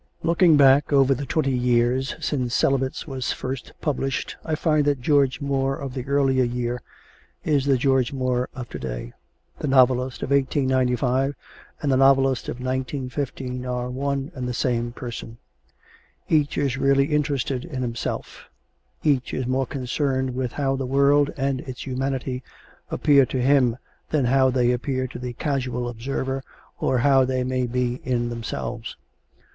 Looking back over the twenty years since "Celibates" was first published I find that the George Moore of the earlier year is the George Moore of to day. The novelist of 1895 and the novelist of 1915 are one and the same person. Each is really interested in himself; each is more concerned with how the world and its humanity appear to him than how they appear to the casual observer or how they may be in themselves.